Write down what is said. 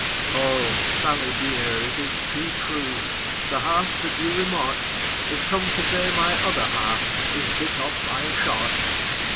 "O SaDy, dear, it is too true, â The half that you remark Is come to say my other half Is bit off by a shark!